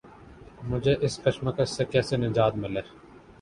مجھے اس کشمکش سے کیسے نجات ملے؟